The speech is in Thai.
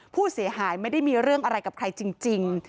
ผู้เสียหายไม่ได้มีเรื่องอะไรกับใครจริง